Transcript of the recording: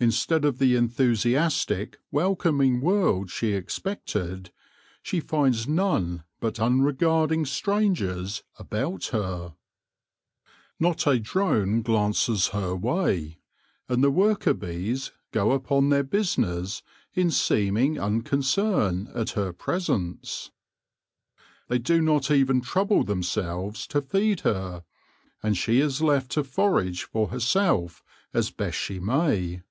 Instead of the enthusiastic, welcoming world she expected, she finds none but unregarding strangers about her. THE BRIDE WIDOW Si Not a drone glances her way, and the worker bees go upon their business in seeming unconcern at her presence. They do not even trouble themselves to feed her, and she is left to forage for herself as best she may.